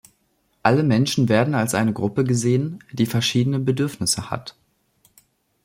Alle Menschen werden als eine Gruppe gesehen, die verschiedene Bedürfnisse hat.